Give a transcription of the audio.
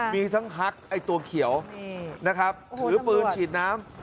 มีทั้งฮักไอ้ตัวเขียวนะครับถือปืนฉีดน้ำ